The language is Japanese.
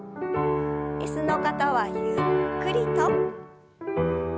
椅子の方はゆっくりと。